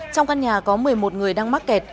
trong căn nhà có một mươi một người đang mắc kẹt